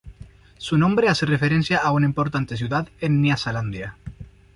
Su nombre hace referencia a una importante ciudad en Nyasalandia.